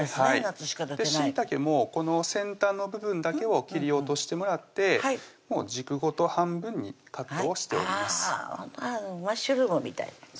しいたけもこの先端の部分だけを切り落としてもらってもう軸ごと半分にカットをしておりますあマッシュルームみたいになってます